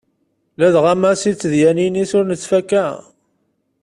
Ladɣa Massi d tedyanin-is ur nettfakka.